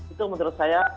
itu menurut saya